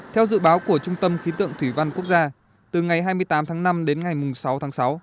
theo dự báo của trung tâm khí tượng thủy văn quốc gia từ ngày hai mươi tám tháng năm đến ngày sáu tháng sáu